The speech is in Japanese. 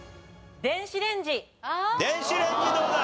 電子レンジどうだ？